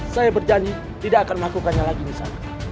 saya berjanji tidak akan melakukannya lagi nisa